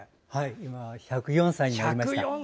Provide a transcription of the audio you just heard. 今、１０４歳になりました。